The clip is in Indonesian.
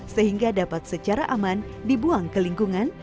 sehingga dapat secara aman dibuang ke lingkungan